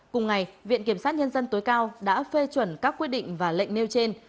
cùng ngày viện kiểm sát nhân dân tối cao đã phê chuẩn các quyết định và lệnh nêu trên